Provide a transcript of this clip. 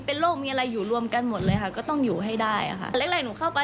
หนูก็ไหว้พระสวรรค์มนตร์อย่างเดียวเลยค่ะ